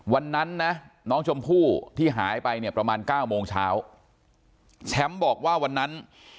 วันนั้นนะน้องชมพู่ที่หายไปเนี่ยประมาณเก้าโมงเช้าแชมป์บอกว่าวันนั้น